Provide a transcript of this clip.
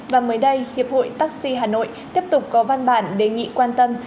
và mới đây hiệp hội taxi hà nội tiếp tục có văn bản đề nghị quan tâm